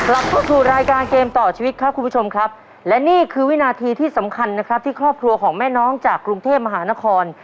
กลับเข้าสู่รายการเกมต่อชีวิตครับคุณผู้ชมครับและนี่คือวินาทีที่สำคัญนะครับที่ครอบครัวของแม่น้องจากกรุงเทพมหานคร